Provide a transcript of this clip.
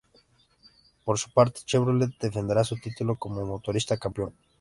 Por su parte, Chevrolet defenderá su título como motorista campeón.